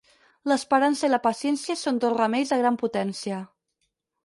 L'esperança i la paciència són dos remeis de gran potència.